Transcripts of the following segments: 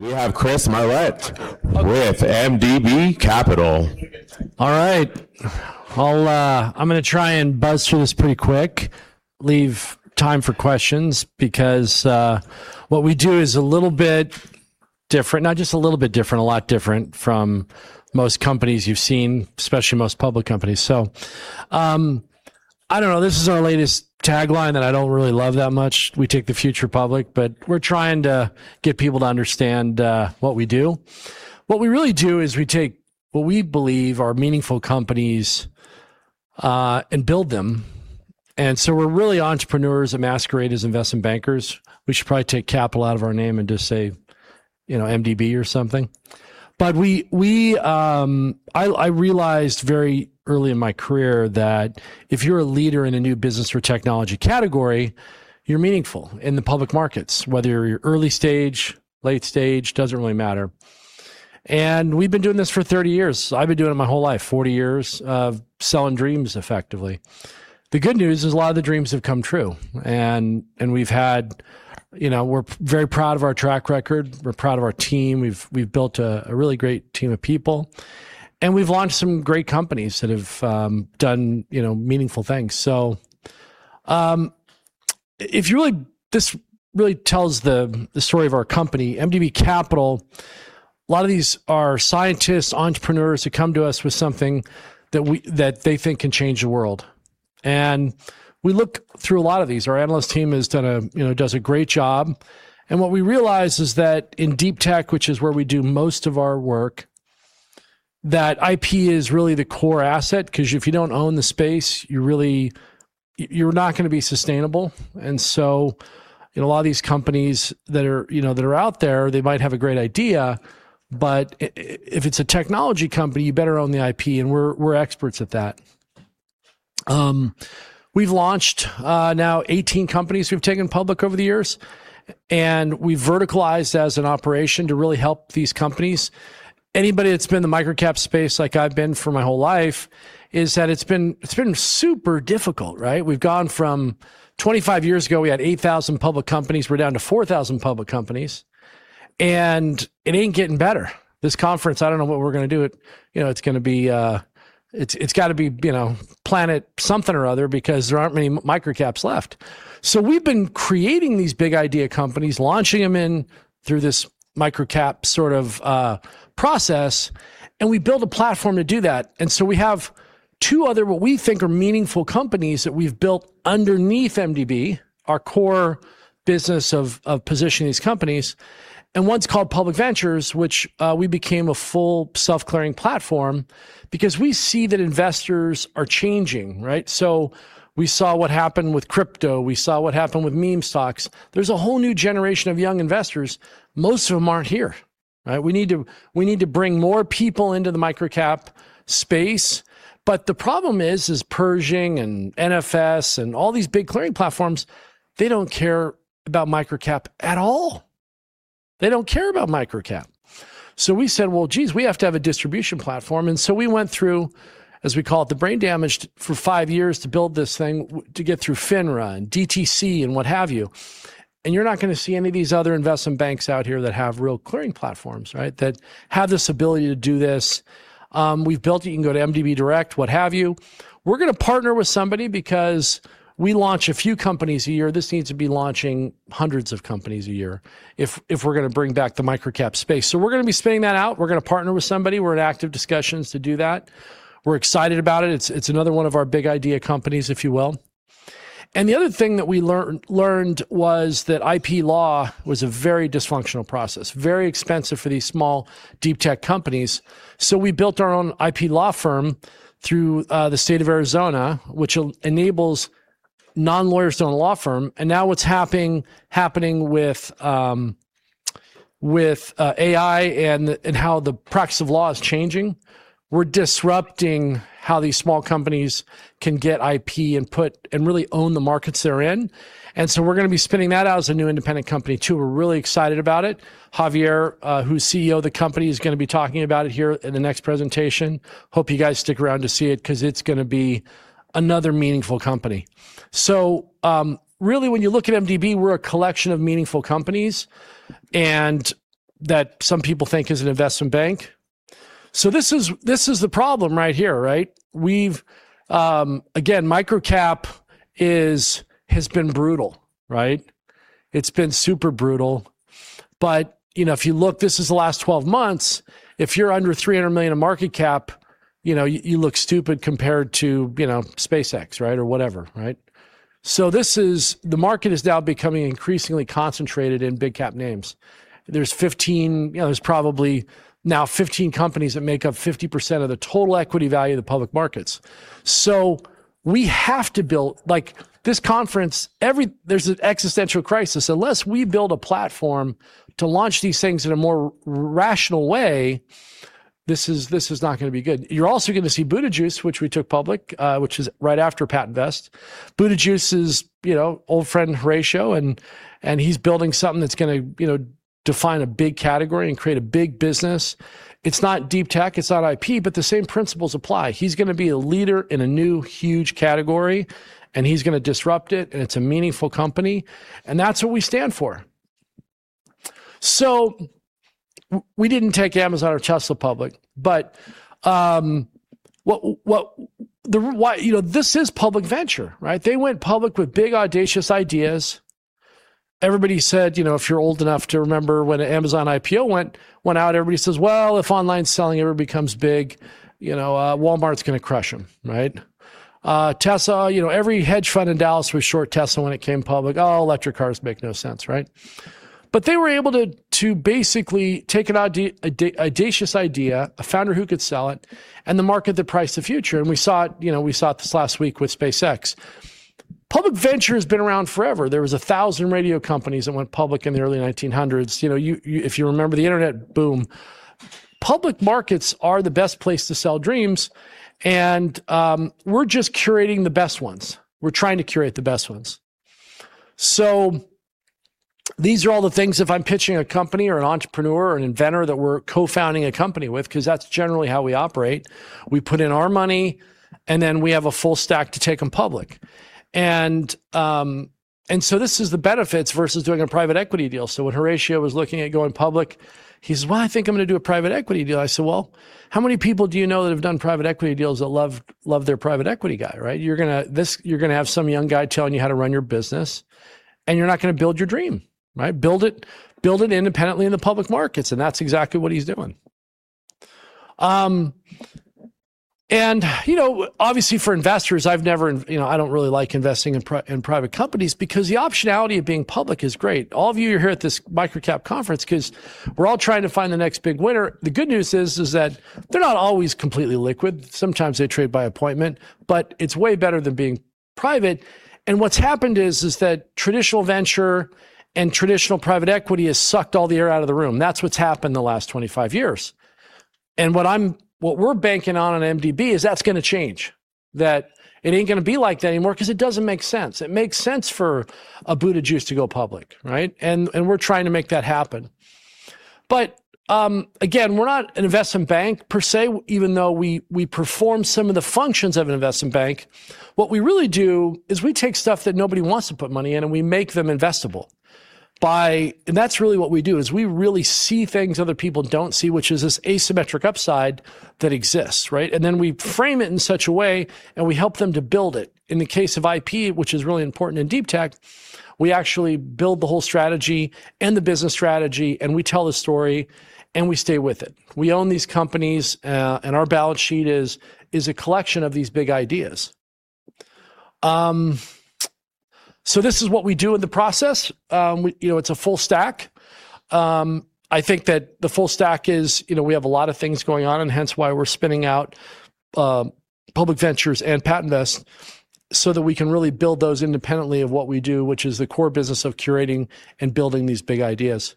We have Chris Marlett with MDB Capital. All right. I'm going to try and buzz through this pretty quick, leave time for questions, because what we do is a little bit different. Not just a little bit different, a lot different from most companies you've seen, especially most public companies. I don't know. This is our latest tagline that I don't really love that much, "We take the future public," but we're trying to get people to understand what we do. What we really do is we take what we believe are meaningful companies and build them. We're really entrepreneurs that masquerade as investment bankers. We should probably take capital out of our name and just say, MDB or something. I realized very early in my career that if you're a leader in a new business or technology category, you're meaningful in the public markets, whether you're early stage, late stage, doesn't really matter. We've been doing this for 30 years. I've been doing it my whole life, 40 years of selling dreams effectively. The good news is a lot of the dreams have come true. We're very proud of our track record. We're proud of our team. We've built a really great team of people, and we've launched some great companies that have done meaningful things. This really tells the story of our company, MDB Capital. A lot of these are scientists, entrepreneurs, who come to us with something that they think can change the world. We look through a lot of these. Our analyst team does a great job. What we realized is that in deep tech, which is where we do most of our work, that IP is really the core asset, because if you don't own the space, you're not going to be sustainable. A lot of these companies that are out there, they might have a great idea, but if it's a technology company, you better own the IP, and we're experts at that. We've launched now 18 companies we've taken public over the years, and we've verticalized as an operation to really help these companies. Anybody that's been in the microcap space like I've been for my whole life is that it's been super difficult, right? We've gone from 25 years ago, we had 8,000 public companies. We're down to 4,000 public companies, and it ain't getting better. This conference, I don't know what we're going to do. It's got to be Planet something or other because there aren't many microcaps left. We've been creating these big idea companies, launching them in through this microcap sort of process, and we build a platform to do that. We have two other, what we think are meaningful companies that we've built underneath MDB, our core business of positioning these companies. One's called Public Ventures, which we became a full self-clearing platform because we see that investors are changing, right? We saw what happened with crypto. We saw what happened with meme stocks. There's a whole new generation of young investors. Most of them aren't here, right? We need to bring more people into the microcap space. The problem is Pershing and NFS and all these big clearing platforms, they don't care about microcap at all. They don't care about microcap. We said, "Well, jeez, we have to have a distribution platform." We went through, as we call it, the brain damaged for 5 years to build this thing, to get through FINRA and DTC and what have you. You're not going to see any of these other investment banks out here that have real clearing platforms, right? That have this ability to do this. We've built it. You can go to MDB Direct, what have you. We're going to partner with somebody because we launch a few companies a year. This needs to be launching hundreds of companies a year if we're going to bring back the microcap space. We're going to be spinning that out. We're going to partner with somebody. We're in active discussions to do that. We're excited about it. It's another one of our big idea companies, if you will. The other thing that we learned was that IP law was a very dysfunctional process, very expensive for these small deep tech companies. We built our own IP law firm through the state of Arizona, which enables non-lawyers to own a law firm. Now what's happening with AI and how the practice of law is changing, we're disrupting how these small companies can get IP and really own the markets they're in. We're going to be spinning that out as a new independent company, too. We're really excited about it. Javier, who's CEO of the company, is going to be talking about it here in the next presentation. Hope you guys stick around to see it because it's going to be another meaningful company. Really when you look at MDB, we're a collection of meaningful companies, that some people think is an investment bank. This is the problem right here, right? Again, microcap has been brutal, right? It's been super brutal. If you look, this is the last 12 months. If you're under $300 million in market cap, you look stupid compared to SpaceX, right? Or whatever, right? The market is now becoming increasingly concentrated in big cap names. There's probably now 15 companies that make up 50% of the total equity value of the public markets. We have to build. Like this conference, there's an existential crisis. Unless we build a platform to launch these things in a more rational way, this is not going to be good. You're also going to see Buda Juice, which we took public, which is right after PatentVest. Buda Juice's old friend, Horatio, and he's building something that's going to define a big category and create a big business. It's not deep tech, it's not IP, but the same principles apply. He's going to be a leader in a new, huge category, and he's going to disrupt it, and it's a meaningful company. That's what we stand for. We didn't take Amazon or Tesla public, but this is public venture, right? They went public with big, audacious ideas. Everybody said, if you're old enough to remember when the Amazon IPO went out, everybody says, "Well, if online selling ever becomes big, Walmart's going to crush them," right? Tesla, every hedge fund in Dallas was short Tesla when it came public. Oh, electric cars make no sense, right? They were able to basically take an audacious idea, a founder who could sell it, and the market that priced the future. We saw it this last week with SpaceX. Public venture has been around forever. There was 1,000 radio companies that went public in the early 1900s. If you remember the internet boom. Public markets are the best place to sell dreams, and we're just curating the best ones. We're trying to curate the best ones. These are all the things if I'm pitching a company or an entrepreneur or an inventor that we're co-founding a company with, because that's generally how we operate. We put in our money, and then we have a full stack to take them public. This is the benefits versus doing a private equity deal. When Horatio was looking at going public, he says, "Well, I think I'm going to do a private equity deal." I said, "Well, how many people do you know that have done private equity deals that love their private equity guy," right? You're going to have some young guy telling you how to run your business, and you're not going to build your dream, right? Build it independently in the public markets, and that's exactly what he's doing. Obviously for investors, I don't really like investing in private companies because the optionality of being public is great. All of you are here at this microcap conference because we're all trying to find the next big winner. The good news is that they're not always completely liquid. Sometimes they trade by appointment. It's way better than being private. What's happened is that traditional venture and traditional private equity has sucked all the air out of the room. That's what's happened the last 25 years. What we're banking on at MDB is that's going to change, that it ain't going to be like that anymore because it doesn't make sense. It makes sense for a Buda Juice to go public, right? We're trying to make that happen. Again, we're not an investment bank per se, even though we perform some of the functions of an investment bank. What we really do is we take stuff that nobody wants to put money in, and we make them investable. That's really what we do, is we really see things other people don't see, which is this asymmetric upside that exists, right? Then we frame it in such a way, and we help them to build it. In the case of IP, which is really important in deep tech, we actually build the whole strategy and the business strategy, and we tell the story, and we stay with it. We own these companies. Our balance sheet is a collection of these big ideas. This is what we do in the process. It's a full stack. I think that the full stack is we have a lot of things going on, and hence why we're spinning out Public Ventures and PatentVest so that we can really build those independently of what we do, which is the core business of curating and building these big ideas.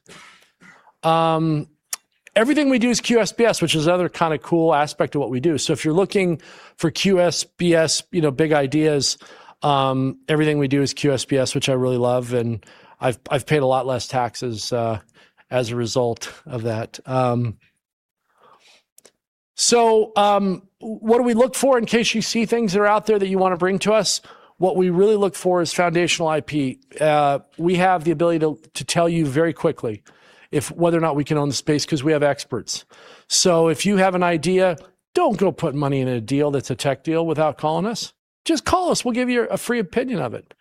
Everything we do is QSBS, which is another kind of cool aspect of what we do. If you're looking for QSBS big ideas, everything we do is QSBS, which I really love, and I've paid a lot less taxes as a result of that. What do we look for in case you see things that are out there that you want to bring to us? What we really look for is foundational IP. We have the ability to tell you very quickly whether or not we can own the space because we have experts. If you have an idea, don't go putting money in a deal that's a tech deal without calling us. Just call us. We'll give you a free opinion of it.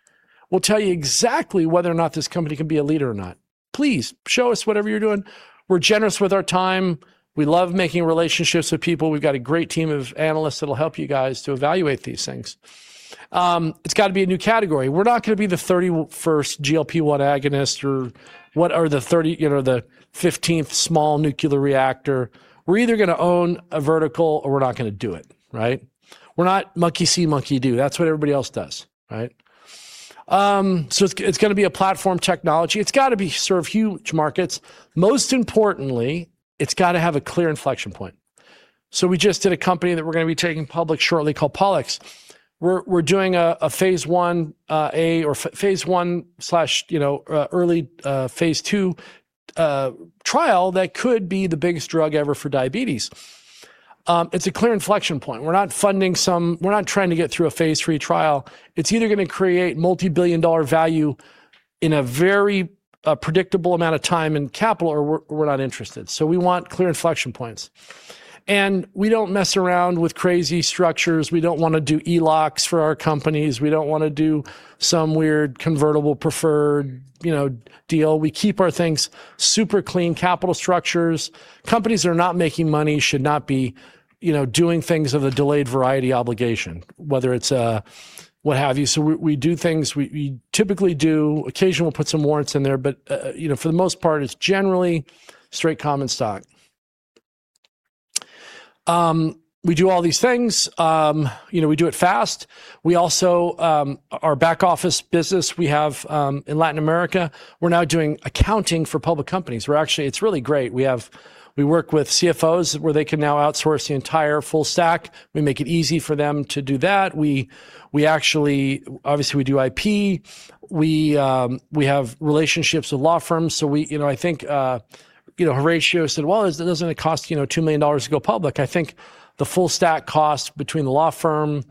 We'll tell you exactly whether or not this company can be a leader or not. Please show us whatever you're doing. We're generous with our time. We love making relationships with people. We've got a great team of analysts that'll help you guys to evaluate these things. It's got to be a new category. We're not going to be the 31st GLP-1 agonist or the 15th small nuclear reactor. We're either going to own a vertical, or we're not going to do it, right? We're not monkey see, monkey do. That's what everybody else does, right? It's going to be a platform technology. It's got to serve huge markets. Most importantly, it's got to have a clear inflection point. We just did a company that we're going to be taking public shortly called Pollux. We're doing a phase I-A or phase I/early phase II trial that could be the biggest drug ever for diabetes. It's a clear inflection point. We're not trying to get through a phase III trial. It's either going to create multi-billion dollar value in a very predictable amount of time and capital, or we're not interested. We want clear inflection points. We don't mess around with crazy structures. We don't want to do ELOCs for our companies. We don't want to do some weird convertible preferred deal. We keep our things super clean capital structures. Companies that are not making money should not be doing things of a dilutive variable obligation, whether it's what have you. We do things. We typically do, occasionally we'll put some warrants in there, but for the most part, it's generally straight common stock. We do all these things. We do it fast. Our back office business we have in Latin America, we're now doing accounting for public companies, where actually it's really great. We work with CFOs where they can now outsource the entire full stack. We make it easy for them to do that. Obviously, we do IP. We have relationships with law firms. I think Horatio said, "Well, it doesn't cost $2 million to go public." I think the full stack cost between the law firm,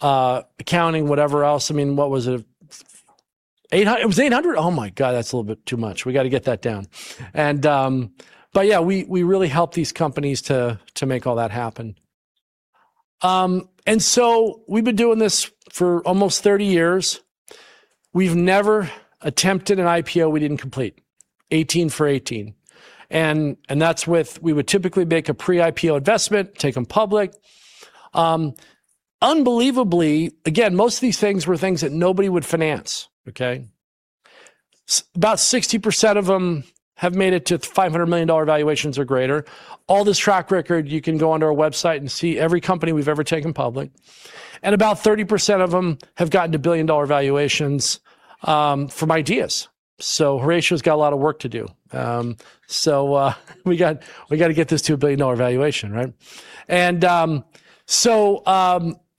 accounting, whatever else, what was it? It was $800? That's a little bit too much. We got to get that down. We really help these companies to make all that happen. We've been doing this for almost 30 years. We've never attempted an IPO we didn't complete. 18 for 18. That's with, we would typically make a pre-IPO investment, take them public. Unbelievably, again, most of these things were things that nobody would finance. About 60% of them have made it to $500 million valuations or greater. All this track record, you can go onto our website and see every company we've ever taken public. About 30% of them have gotten to billion-dollar valuations from ideas. Horatio's got a lot of work to do. We got to get this to a billion-dollar valuation, right?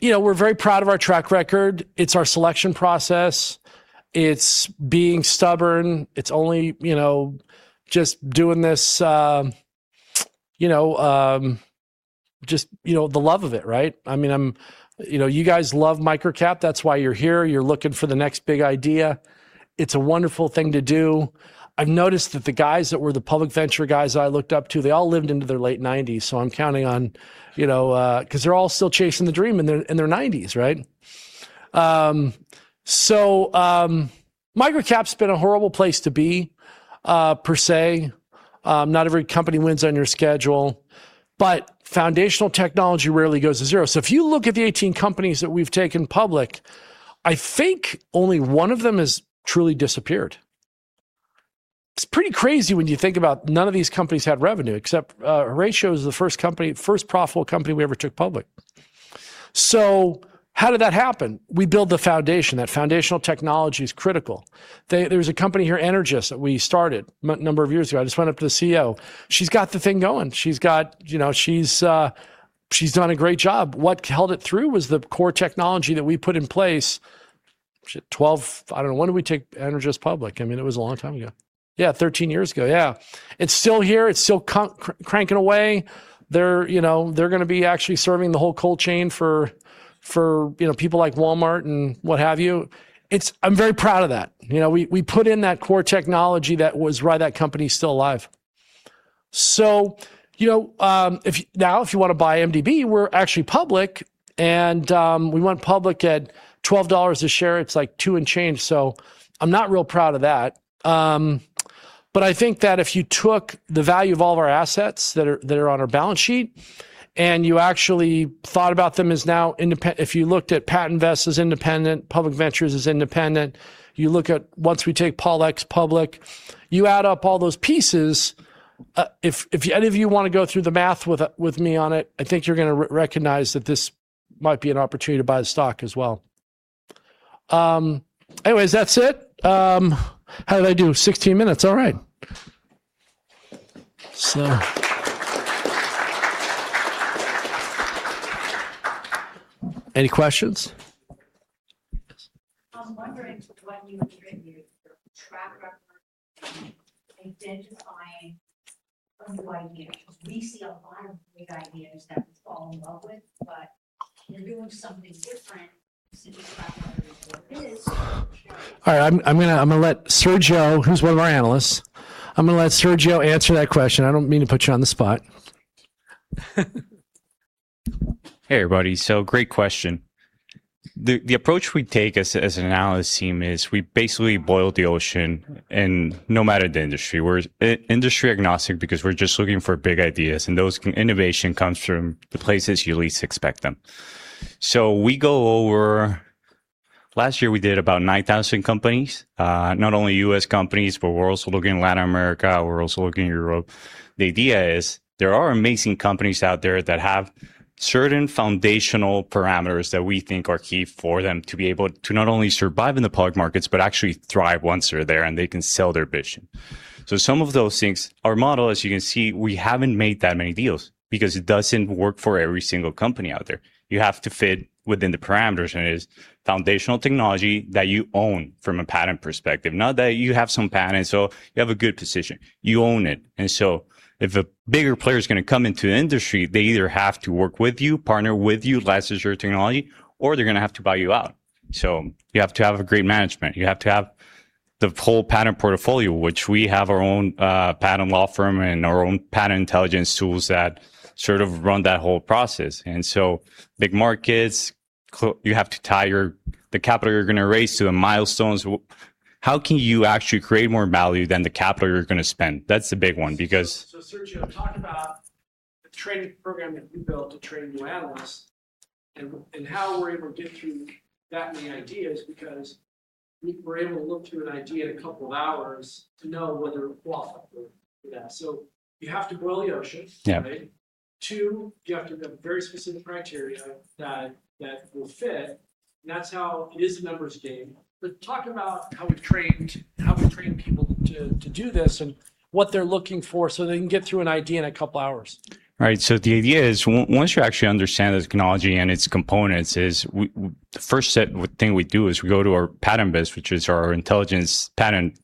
We're very proud of our track record. It's our selection process. It's being stubborn. It's only just doing this the love of it, right? You guys love microcap. That's why you're here. You're looking for the next big idea. It's a wonderful thing to do. I've noticed that the guys that were the Public Venture guys that I looked up to, they all lived into their late 90s, so I'm counting on, because they're all still chasing the dream in their 90s, right? Microcap's been a horrible place to be, per se. Not every company wins on your schedule, foundational technology rarely goes to zero. If you look at the 18 companies that we've taken public, I think only one of them has truly disappeared. It's pretty crazy when you think about none of these companies had revenue except Horatio was the first profitable company we ever took public. How did that happen? We build the foundation. That foundational technology is critical. There's a company here, Energous, that we started a number of years ago. I just ran up to the CEO. She's got the thing going. She's done a great job. What held it through was the core technology that we put in place. Shit, 12, I don't know, when did we take Energous public? It was a long time ago. Yeah, 13 years ago. Yeah. It's still here. It's still cranking away. They're going to be actually serving the whole cold chain for people like Walmart and what have you. I'm very proud of that. We put in that core technology that was why that company's still alive. Now, if you want to buy MDB, we're actually public, and we went public at $12 a share. It's like two and change, I'm not real proud of that. I think that if you took the value of all of our assets that are on our balance sheet, and you actually thought about them as now independent, if you looked at PatentVest as independent, Public Ventures as independent, you look at once we take Pollux public, you add up all those pieces. If any of you want to go through the math with me on it, I think you're going to recognize that this might be an opportunity to buy the stock as well. Anyways, that's it. How did I do? 16 minutes, all right. Any questions? I'm wondering when you look at your track record in identifying new ideas, because we see a lot of big ideas that we fall in love with, but they're doing something different. Just track record as to what it is. All right. I'm going to let Sergio, who's one of our analysts, answer that question. I don't mean to put you on the spot. Hey, everybody. Great question. The approach we take as an analyst team is we basically boil the ocean in no matter the industry. We're industry agnostic because we're just looking for big ideas, and those innovation comes from the places you least expect them. We go over, last year, we did about 9,000 companies. Not only U.S. companies, but we're also looking Latin America, we're also looking Europe. The idea is there are amazing companies out there that have certain foundational parameters that we think are key for them to be able to not only survive in the public markets, but actually thrive once they're there, and they can sell their vision. Some of those things, our model, as you can see, we haven't made that many deals because it doesn't work for every single company out there. You have to fit within the parameters. It is foundational technology that you own from a patent perspective. Not that you have some patents, you have a good position. You own it. If a bigger player is going to come into the industry, they either have to work with you, partner with you, license your technology, or they're going to have to buy you out. You have to have a great management. You have to have the whole patent portfolio, which we have our own patent law firm and our own patent intelligence tools that sort of run that whole process. Big markets, you have to tie the capital you're going to raise to the milestones. How can you actually create more value than the capital you're going to spend? That's the big one, because. Sergio, talk about the training program that we built to train new analysts and how we're able to get through that many ideas because we're able to look through an idea in a couple of hours to know whether it will qualify or do that. You have to boil the ocean. Yeah. Right? Two, you have to have very specific criteria that will fit. That's how it is the numbers' game. Talk about how we train people to do this and what they're looking for so they can get through an idea in a couple of hours. Right. The idea is once you actually understand the technology and its components is the first thing we do is we go to our patent base, which is our intelligence patent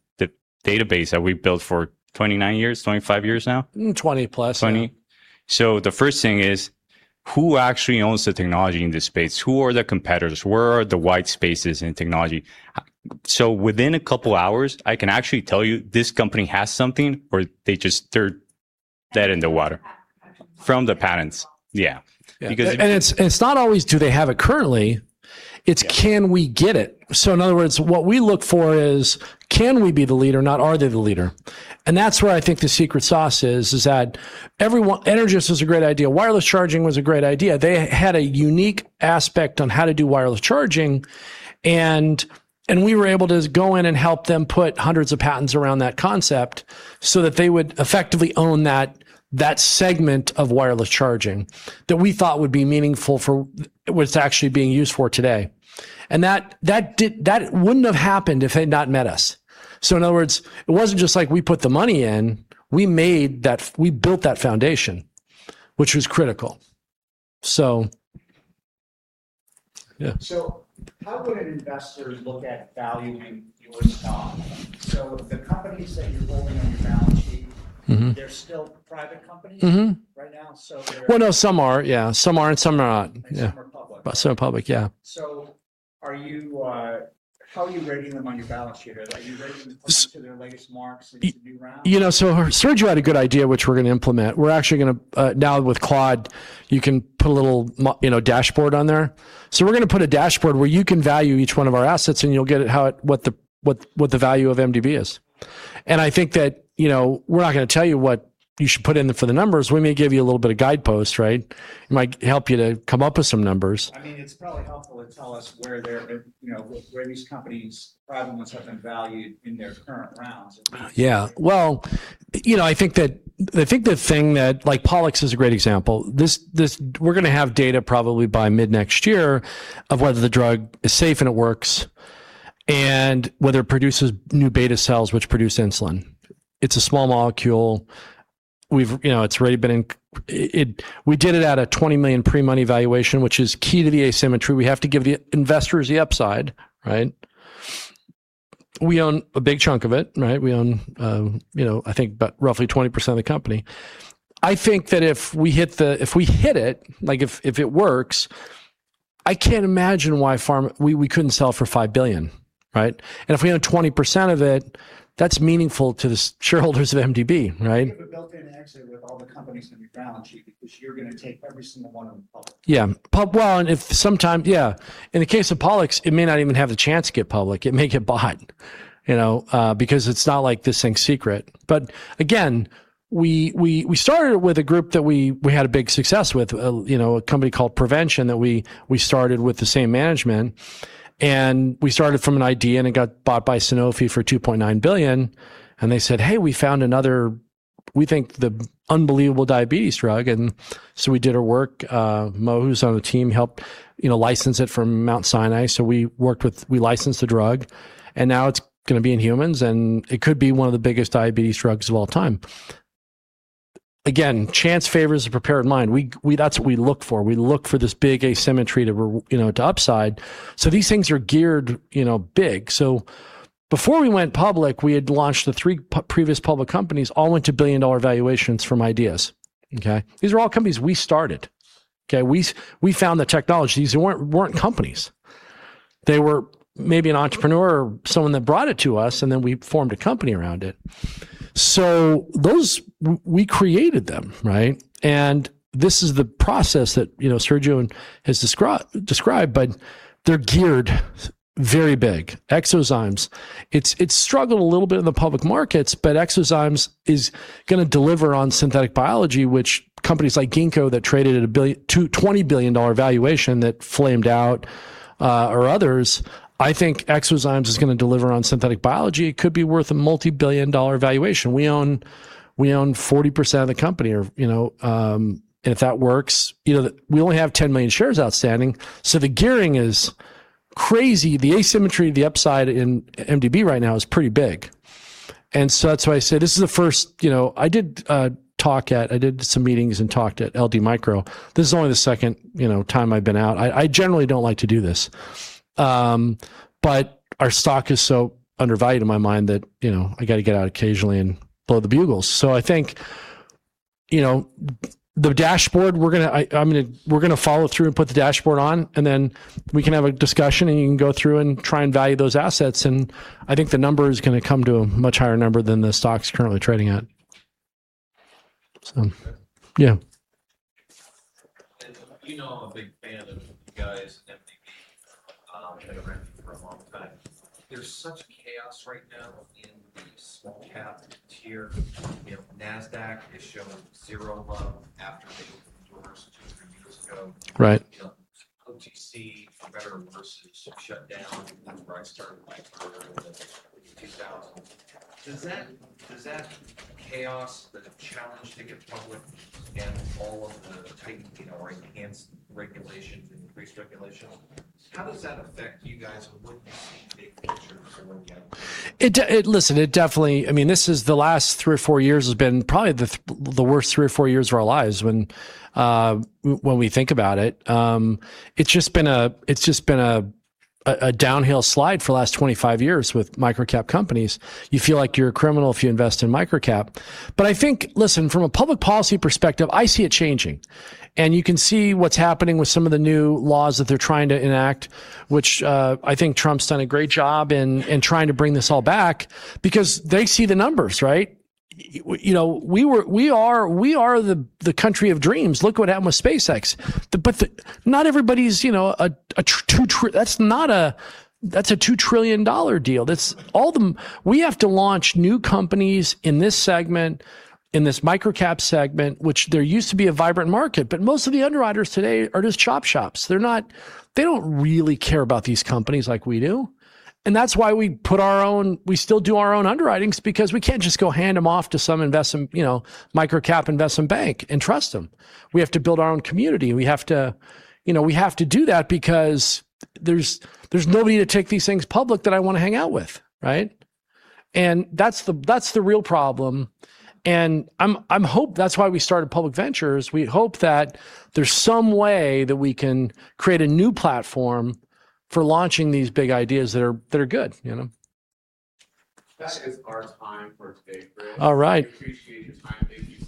database that we've built for 29 years, 25 years now. 20+. 20. The first thing is, who actually owns the technology in this space? Who are the competitors? Where are the white spaces in technology? Within a couple of hours, I can actually tell you this company has something or they just, they're dead in the water. From the patents actually. From the patents. It's not always do they have it currently, it's can we get it? In other words, what we look for is can we be the leader, not are they the leader. That's where I think the secret sauce is that everyone. Energous was a great idea. Wireless charging was a great idea. They had a unique aspect on how to do wireless charging, and we were able to go in and help them put hundreds of patents around that concept so that they would effectively own that segment of wireless charging that we thought would be meaningful for what it's actually being used for today. That wouldn't have happened if they had not met us. In other words, it wasn't just like we put the money in. We built that foundation, which was critical. Yeah. How would an investor look at valuing your stock? The companies that you're holding on your balance sheet. Mm-hmm. They're still private companies? Mm-hmm. Right now, well, no, some are. Some are and some are not. Some are public. Some are public, yeah. How are you rating them on your balance sheet? Are you rating them close to their latest marks, like these new rounds? Sergio had a good idea, which we're going to implement. Now with Claude, you can put a little dashboard on there. We're going to put a dashboard where you can value each one of our assets, and you'll get what the value of MDB is. I think that we're not going to tell you what you should put in for the numbers. We may give you a little bit of guidepost, right? It might help you to come up with some numbers. It's probably helpful to tell us where these companies, private ones, have been valued in their current rounds. Yeah. I think the thing that, like Pollux is a great example. We're going to have data probably by mid-next year of whether the drug is safe and it works and whether it produces new beta cells, which produce insulin. It's a small molecule. We did it at a $20 million pre-money valuation, which is key to the asymmetry. We have to give the investors the upside, right? We own a big chunk of it, right? We own, I think about roughly 20% of the company. If we hit it, like if it works, I can't imagine why We couldn't sell for $5 billion, right? If we own 20% of it, that's meaningful to the shareholders of MDB, right? You have a built-in exit with all the companies on your balance sheet because you're going to take every single one of them public. Yeah. If sometimes, yeah. In the case of Pollux, it may not even have the chance to get public. It may get bought, because it's not like this thing's secret. Again, we started with a group that we had a big success with, a company called Provention that we started with the same management, and we started from an idea, and it got bought by Sanofi for $2.9 billion, and they said, "Hey, we found another, we think the unbelievable diabetes drug." We did our work. Mo, who's on the team, helped license it from Mount Sinai. We licensed the drug, and now it's going to be in humans, and it could be one of the biggest diabetes drugs of all time. Again, chance favors a prepared mind. That's what we look for. We look for this big asymmetry to upside. These things are geared big. Before we went public, we had launched the three previous public companies, all into billion-dollar valuations from ideas. Okay? These are all companies we started. Okay? We found the technology. These weren't companies. They were maybe an entrepreneur or someone that brought it to us, and then we formed a company around it. Those, we created them, right? This is the process that Sergio has described, but they're geared very big. eXoZymes. It's struggled a little bit in the public markets, but eXoZymes is going to deliver on synthetic biology, which companies like Ginkgo that traded at a $20 billion valuation that flamed out, or others. I think eXoZymes is going to deliver on synthetic biology. It could be worth a multi-billion dollar valuation. We own 40% of the company. If that works, we only have 10 million shares outstanding, so the gearing is crazy. The asymmetry, the upside in MDB right now is pretty big. I say this is the first. I did some meetings and talked at LD Micro. This is only the second time I've been out. I generally don't like to do this. Our stock is so undervalued in my mind that I got to get out occasionally and blow the bugle. I think the dashboard, we're going to follow through and put the dashboard on, then we can have a discussion, and you can go through and try and value those assets. I think the number is going to come to a much higher number than the stock's currently trading at. Yeah. You know I'm a big fan of you guys at MDB. I've been around for a long time. There's such chaos right now in the small cap tier. NASDAQ is showing zero love after they reversed two or three years ago. OTC, for better or worse, is shut down. That's where I started my career in 2000. Does that chaos, the challenge to get public, all of the tightened or enhanced regulations, increased regulations, how does that affect you guys and what you see big picture going forward? This is the last three or four years has been probably the worst three or four years of our lives when we think about it. It's just been a downhill slide for the last 25 years with microcap companies. You feel like you're a criminal if you invest in microcap. I think, listen, from a public policy perspective, I see it changing. You can see what's happening with some of the new laws that they're trying to enact, which I think Trump's done a great job in trying to bring this all back because they see the numbers, right? We are the country of dreams. Look what happened with SpaceX. That's a $2 trillion deal. We have to launch new companies in this segment, in this microcap segment, which there used to be a vibrant market, but most of the underwriters today are just chop shops. They don't really care about these companies like we do. That's why we still do our own underwriting because we can't just go hand them off to some microcap investment bank and trust them. We have to build our own community. We have to do that because there's nobody to take these things public that I want to hang out with, right? That's the real problem, and that's why we started Public Ventures. We hope that there's some way that we can create a new platform for launching these big ideas that are good. That is our time for today, Chris. All right. We appreciate your time. Thank you so much.